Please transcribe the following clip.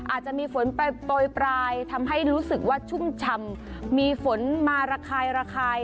อาจจะมีฝนโปรยปลายทำให้รู้สึกว่าชุ่มชำมีฝนมาระคายระคาย